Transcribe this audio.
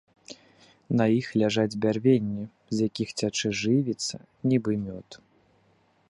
На іх ляжаць бярвенні, з якіх цячэ жывіца, нібы мёд.